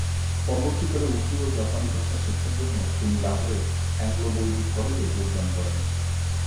পরবর্তীকালে উর্দু ও জাপানি ভাষা শিক্ষার জন্য তিনি লাহোরের অ্যাংলো-বৈদিক কলেজে যোগদান করেন।